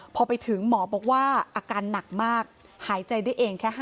พอไปถึงหมอบอกว่าอาการหนักมากหายใจได้เองแค่๕๐